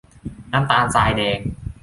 น้ำตาลทรายแดง